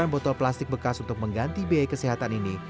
dan botol plastik bekas untuk mengganti biaya kesehatan ini